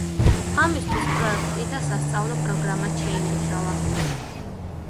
ამისთვის პროექტი და სასწავლო პროგრამაც შეიმუშავა.